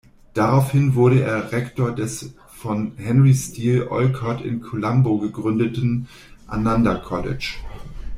Daraufhin wurde er Rektor des von Henry Steel Olcott in Colombo gegründeten "Ananda College".